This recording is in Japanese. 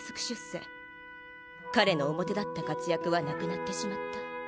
彼の表だった活躍はなくなってしまった。